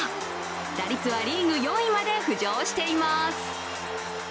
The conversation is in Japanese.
打率はリーグ４位まで浮上しています。